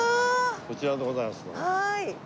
こちらでございます。